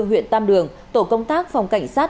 huyện tam đường tổ công tác phòng cảnh sát